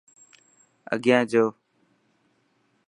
اگيان جو.